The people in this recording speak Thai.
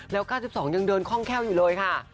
แล้ว๙๒ยังเดินคล่องแค้วอยู่เลยค่ะ